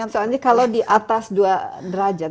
soalnya kalau di atas dua derajat